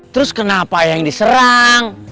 terus kenapa yang diserang